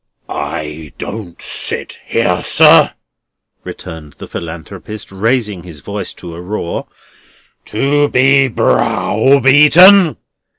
"I don't sit here, sir," returned the Philanthropist, raising his voice to a roar, "to be browbeaten."